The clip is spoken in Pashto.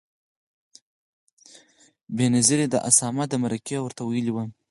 بېنظیرې د اسامه د مرکې ورته ویلي و.